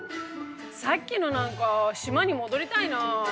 さっきの何か島に戻りたいな。